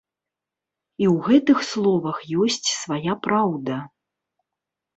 І ў гэтых словах ёсць свая праўда.